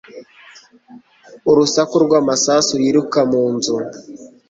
urusaku rw'amasasu yiruka mu nzu